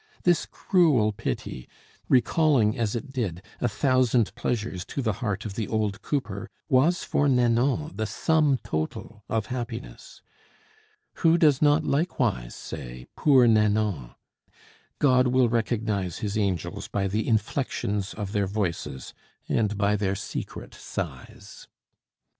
This cruel pity, recalling, as it did, a thousand pleasures to the heart of the old cooper, was for Nanon the sum total of happiness. Who does not likewise say, "Poor Nanon!" God will recognize his angels by the inflexions of their voices and by their secret sighs.